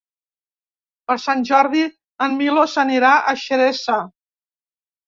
Per Sant Jordi en Milos anirà a Xeresa.